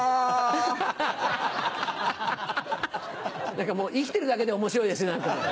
何かもう生きてるだけで面白いです。